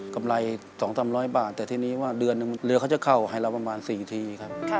กำไรสองสามร้อยบาทแต่ทีนี้ว่าเดือนนึงเหลือเขาจะเข้าให้เราประมาณสี่ทีครับ